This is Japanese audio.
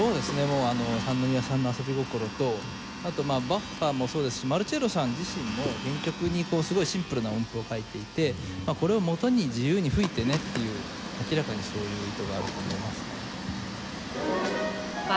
もう三宮さんの遊び心とあとまあバッハもそうですしマルチェッロさん自身も原曲にすごいシンプルな音符を書いていてこれをもとに自由に吹いてねっていう明らかにそういう意図があると思いますね。